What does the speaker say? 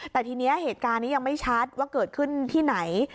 แต่ทีนี้เหตุการณ์นี้ยังไม่ชัดว่าเกิดขึ้นที่ไหน